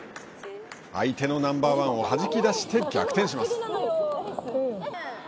相手のナンバーワンをはじき出して逆転します。